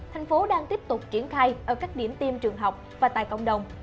thành phố đang tiếp tục triển khai ở các điểm tiêm trường học và tại cộng đồng